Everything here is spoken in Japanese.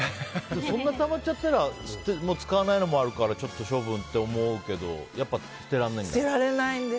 そんなたまっちゃったら使わないのもあるから処分って思うけどやっぱり捨てられないんだ。